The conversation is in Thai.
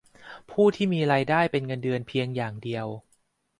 ผู้ที่มีรายได้เป็นเงินเดือนเพียงอย่างเดียว